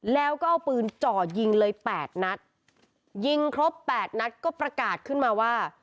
แล้วก็เอาปืนจ่อยิงเลยแปดนัดยิงครบแปดนัดก็ประกาศขึ้นมาว่า